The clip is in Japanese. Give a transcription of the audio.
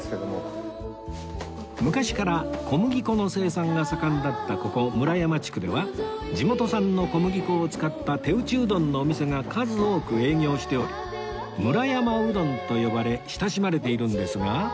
昔から小麦粉の生産が盛んだったここ村山地区では地元産の小麦粉を使った手打ちうどんのお店が数多く営業しており村山うどんと呼ばれ親しまれているんですが